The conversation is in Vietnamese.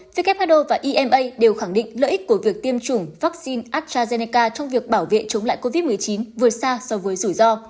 who và ima đều khẳng định lợi ích của việc tiêm chủng vaccine astrazeneca trong việc bảo vệ chống lại covid một mươi chín vừa xa so với rủi ro